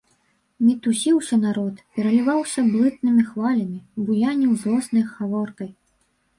Мітусіўся народ, пераліваўся блытанымі хвалямі, буяніў злоснай гаворкай.